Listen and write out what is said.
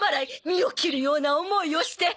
身を切るような思いをして。